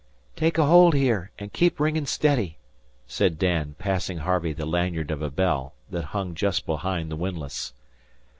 "Take ahold here, an' keep ringin' steady," said Dan, passing Harvey the lanyard of a bell that hung just behind the windlass.